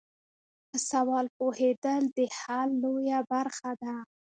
په سوال پوهیدل د حل لویه برخه ده.